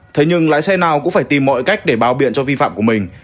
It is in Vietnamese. thế nhưng lái xe nào cũng phải tìm mọi cách để bao biện cho vi phạm của mình